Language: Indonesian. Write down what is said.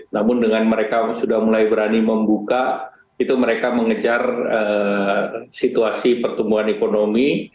namun dengan mereka sudah mulai berani membuka itu mereka mengejar situasi pertumbuhan ekonomi